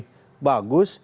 konsep yang lebih bagus